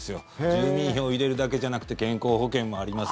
住民票を入れるだけじゃなくて健康保険もあります